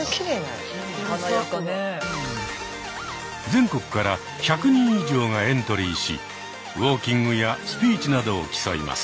全国から１００人以上がエントリーしウォーキングやスピーチなどを競います。